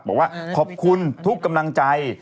บอกว่าขอบคุณทุกกำลังใจ